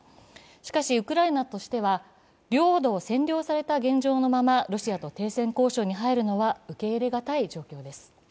しかしウクライナとしては領土を占領された現状のままロシアと停戦交渉に入るのは受け入れがたい状況です。